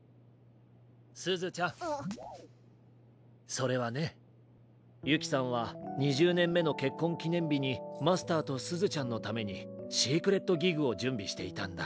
それはねゆきさんは２０ねんめのけっこんきねんびにマスターとすずちゃんのためにシークレットギグをじゅんびしていたんだ。